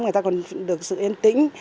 người ta còn được sự yên tĩnh